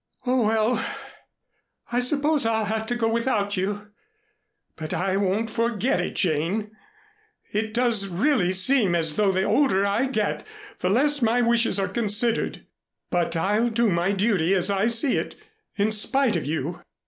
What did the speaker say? "Oh, well! I suppose I'll have to go without you. But I won't forget it, Jane. It does really seem as though the older I get the less my wishes are considered. But I'll do my duty as I see it, in spite of you.